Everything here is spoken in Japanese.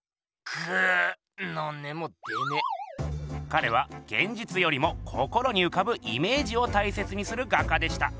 かれはげんじつよりも心にうかぶイメージを大切にする画家でした。